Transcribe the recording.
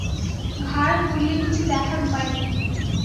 ঘাড় ঘুরিয়ে কিছু দেখার উপায় নেই।